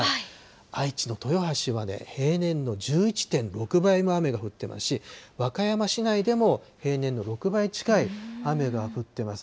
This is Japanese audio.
愛知の豊橋は平年の１１．６倍も雨が降ってますし、和歌山市内でも平年の６倍近い雨が降っています。